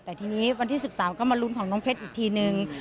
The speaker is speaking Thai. แต่ทีนี้วันที่๑๓ก็มาลุ้นของน้องเพชรอีกทีนึง